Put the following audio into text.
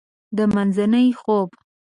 د مینځې خوب